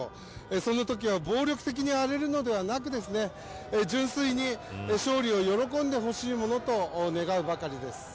そのときは暴力的に荒れるのではなく純粋に勝利を喜んでほしいものと願うばかりです。